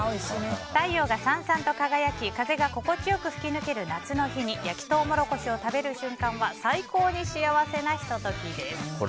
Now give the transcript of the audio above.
太陽がさんさんと輝き風が心地よく吹き抜ける夏の日に焼きトウモロコシを食べる瞬間は最高に幸せなひと時です。